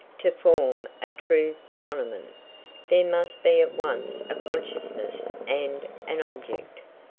To form a true phenomenon, there must be at once a consciousness and an object.